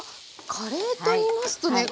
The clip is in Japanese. カレーと言いますとね